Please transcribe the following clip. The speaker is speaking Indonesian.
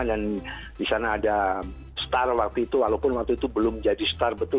dan di sana ada star waktu itu walaupun waktu itu belum jadi star betul